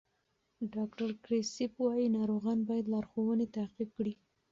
ډاکټر کریسپ وایي ناروغان باید لارښوونې تعقیب کړي.